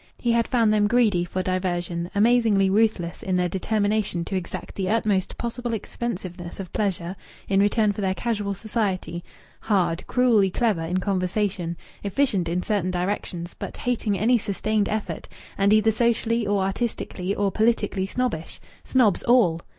He had found them greedy for diversion, amazingly ruthless in their determination to exact the utmost possible expensiveness of pleasure in return for their casual society, hard, cruelly clever in conversation, efficient in certain directions, but hating any sustained effort, and either socially or artistically or politically snobbish. Snobs all!